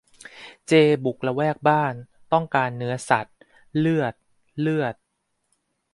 เจบุกละแวกบ้าน ต้องการเนื้อสัตว์ เลือด เลือด